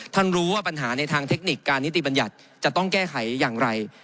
รู้ว่าปัญหาในทางเทคนิคการนิติบัญญัติจะต้องแก้ไขอย่างไร